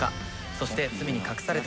そして罪に隠された真実とは？